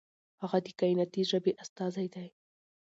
هغه د کائناتي ژبې استازی دی.